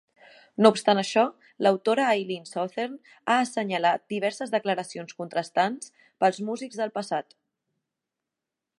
No obstant això, l'autora Eileen Southern ha assenyalat diverses declaracions contrastants pels músics del passat.